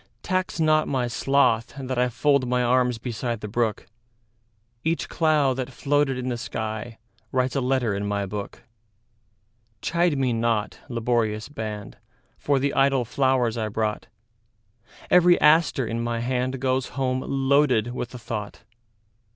Tax not my sloth that IFold my arms beside the brook; Each cloud that floated in the skyWrites a letter in my book. Chide me not, laborious band, For the idle flowers I brought; Every aster in my handGoes home loaded with a thought.